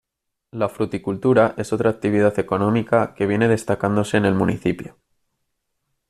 La fruticultura es otra actividad económica que viene destacándose en el municipio.